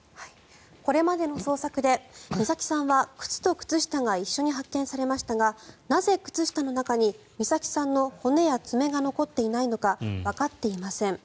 これまでの捜索で美咲さんは靴と靴下が一緒に発見されましたがなぜ靴下の中に美咲さんの骨や爪が残っていないのかわかっていません。